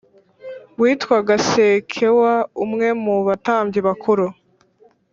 witwaga Sikewa umwe mu batambyi bakuru